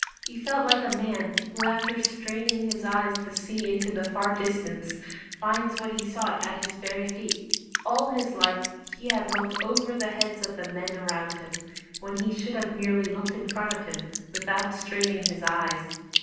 He felt like a man who after straining his eyes to see into the far distance finds what he sought at his very feet. All his life he had looked over the heads of the men around him, when he should have merely looked in front of him without straining his eyes.